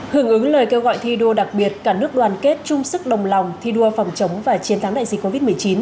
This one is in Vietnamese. hưởng ứng lời kêu gọi thi đua đặc biệt cả nước đoàn kết chung sức đồng lòng thi đua phòng chống và chiến thắng đại dịch covid một mươi chín